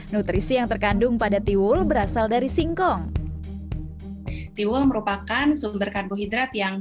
nutrisi yang terkandung pada tiwul berasal dari singkong tiwul merupakan sumber karbohidrat yang